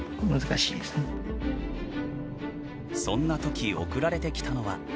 そんな時送られてきたのは。